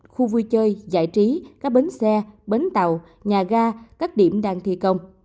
khu vui chơi giải trí các bến xe bến tàu nhà ga các điểm đang thi công